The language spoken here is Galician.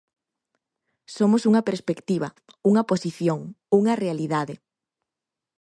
Somos unha perspectiva, unha posición, unha realidade.